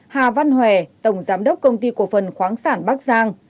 hà văn hòe tổng giám đốc công ty cổ phần khoáng sản bắc giang